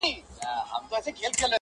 او ددوی دواړو ترمنځ د تعامل څخه